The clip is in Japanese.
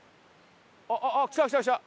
あっ来た来た来た！